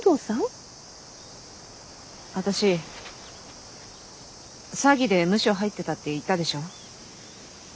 私詐欺でムショ入ってたって言ったでしょ。